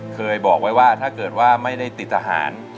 เคยบอกไว้ว่าถ้าเกิดว่าไม่ได้ติดทหาร